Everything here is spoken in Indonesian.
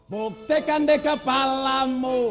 buktikan deh kepalamu